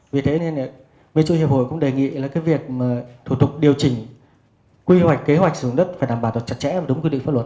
vì thế nên bên chủ hiệp hội cũng đề nghị là cái việc mà thủ tục điều chỉnh quy hoạch kế hoạch sử dụng đất phải đảm bảo được chặt chẽ và đúng quy định pháp luật